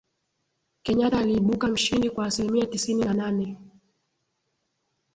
Kenyatta aliibuka mshindi kwa asilimia tisini na nane